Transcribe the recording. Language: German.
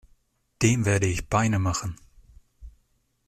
Dem werde ich Beine machen!